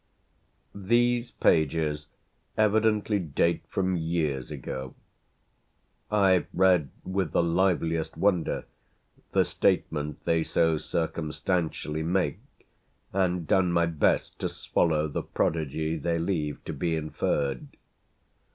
These pages evidently date from years ago. I've read with the liveliest wonder the statement they so circumstantially make and done my best to swallow the prodigy they leave to be inferred.